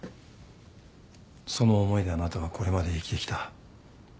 その思いであなたはこれまで生きてきた。